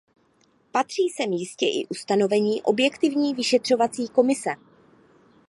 Patří sem jistě i ustanovení objektivní vyšetřovací komise.